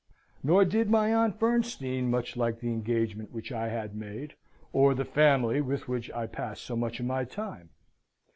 Nor did my Aunt Bernstein much like the engagement which I had made, or the family with which I passed so much of my time.